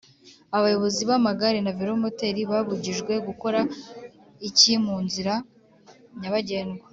abayobozi b’amagare na velomoteri babujyijwe gukora iki mu nzira nyabagendwa